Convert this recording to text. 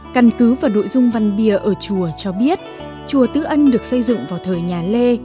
căn cứ vào nội dung văn bia ở chùa cho biết chùa tứ ân được xây dựng vào thời nhà lê